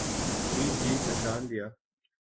جی جی پہچان لیا۔